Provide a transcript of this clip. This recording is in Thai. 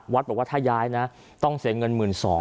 บอกว่าถ้าย้ายนะต้องเสียเงิน๑๒๐๐